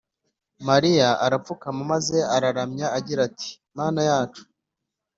mariya arapfukama maze araramya agira ati manayacu